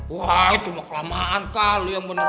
wah itu mau kelamaan kan lo yang menunggu